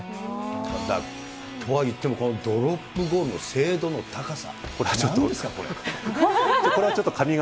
ただ、とはいってもこのドロップゴールの精度の高さ。